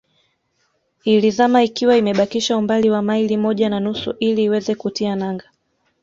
Ilizama ikiwa imebakisha umbali wa maili moja na nusu ili iweze kutia nanga